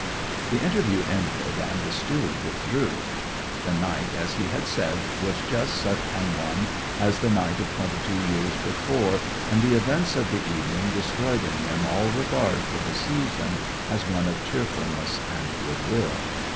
The interview ended, and the steward withdrew. The night, as he had said, was just such an one as the night of twenty two years before, and the events of the evening destroyed in him all regard for the season as one of cheerfulness and goodwill.